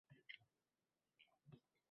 bo‘lmagan gap.